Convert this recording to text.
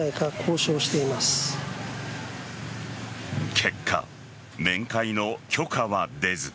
結果、面会の許可は出ず。